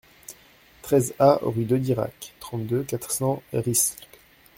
treize A rue Daudirac, trente-deux, quatre cents, Riscle